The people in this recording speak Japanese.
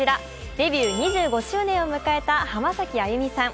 デビュー２５周年を迎えた浜崎あゆみさん。